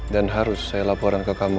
dan harus saya laporan ke bapak